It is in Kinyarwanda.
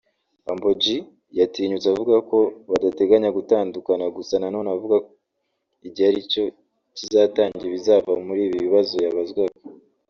Humble G yatinyutse avuga ko badateganya gutandukana gusa nanone avuga igihe aricyo kizatanga ibizava muri ibi bibazo yabazwaga